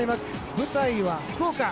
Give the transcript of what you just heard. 舞台は福岡。